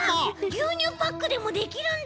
ぎゅうにゅうパックでもできるんだ！